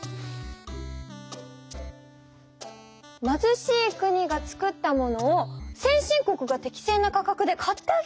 まずしい国がつくったものを先進国が適正な価格で買ってあげればいいんじゃない？